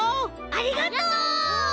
ありがとう！